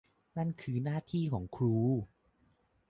นั่นคือหน้าที่ของครู